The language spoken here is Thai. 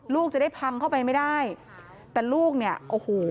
ลูกจะได้พังเข้าไปไม่ได้แต่ลูกเนี่ยโอ้โห